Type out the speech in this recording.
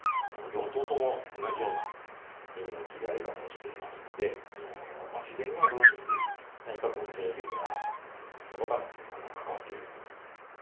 ４頭とも同じような耳の切られ方をしていますので、自然にはできにくい、何か人為的なものが関わっている。